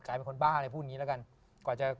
กลายเป็นคนบ้าอะไรพูดอย่างนี้แล้วกัน